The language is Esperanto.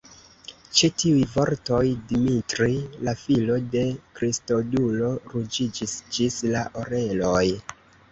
Ĉe tiuj vortoj, Dimitri, la filo de Kristodulo, ruĝiĝis ĝis la oreloj.